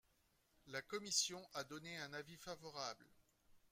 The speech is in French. La commission a donné un avis favorable.